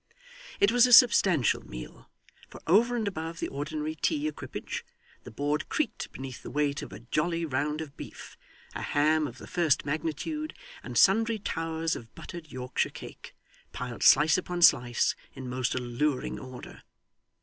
It was a substantial meal; for, over and above the ordinary tea equipage, the board creaked beneath the weight of a jolly round of beef, a ham of the first magnitude, and sundry towers of buttered Yorkshire cake, piled slice upon slice in most alluring order.